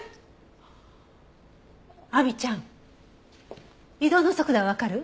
亜美ちゃん移動の速度はわかる？